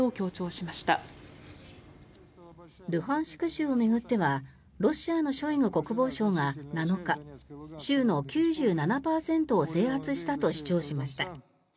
州を巡ってはロシアのショイグ国防相が７日州の９７％を制圧したと主張しました。